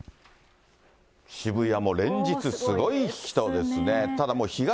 渋谷も連日すごい人ですね。